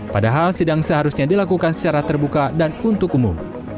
padahal sidang seharusnya dilakukan secara terbuka dan untuk umum